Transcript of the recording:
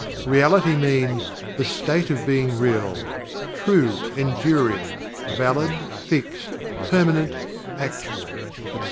"Reality" means: "the state of being real; true, enduring; valid; fixed; permanent; actual," etc.